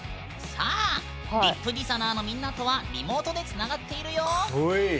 さあＲＩＰＤＩＳＨＯＮＯＲのみんなとはリモートでつながっているよ。